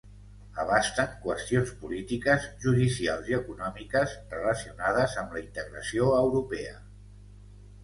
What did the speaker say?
Abasten qüestions polítiques, judicials i econòmiques relacionades amb la integració europea.